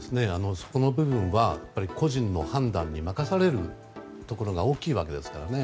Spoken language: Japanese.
その部分は、個人の判断に任されるところが大きいわけですからね。